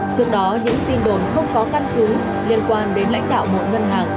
trước đó những tin đồn không có căn cứ liên quan đến lãnh đạo một ngân hàng